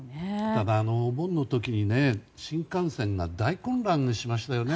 ただ、お盆の時に新幹線が大混乱しましたよね。